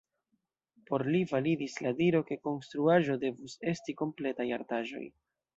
Por li validis la diro ke konstruaĵoj devus esti kompletaj artaĵoj.